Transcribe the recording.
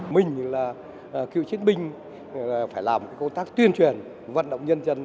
mình là cựu chiến binh phải làm công tác tuyên truyền vận động nhân dân